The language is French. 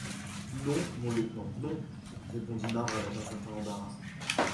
Non, mon lieutenant... non... répondit Marbre avec un certain embarras.